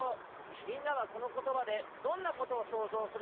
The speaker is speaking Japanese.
みんなはこのことばでどんなことをそうぞうするかな？